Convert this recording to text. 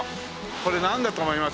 これなんだと思います？